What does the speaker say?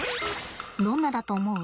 どんなだと思う？